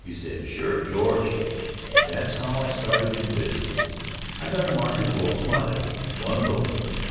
He said: "Sure, George". That's how I started in business. I got a marketable commodity one vote.